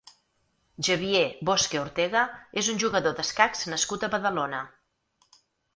Xavier Bosque Ortega és un jugador d'escacs nascut a Badalona.